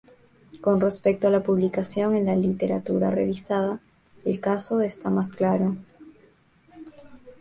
Con respecto a la publicación en la literatura revisada, el caso está más claro.